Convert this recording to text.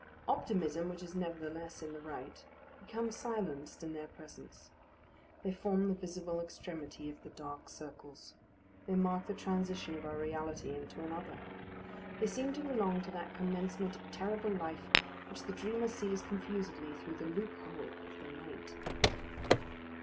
Optimism, which is nevertheless in the right, becomes silenced in their presence. They form the visible extremity of the dark circles. They mark the transition of our reality into another. They seem to belong to that commencement of terrible life which the dreamer sees confusedly through the loophole of the night.